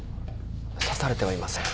刺されてはいません。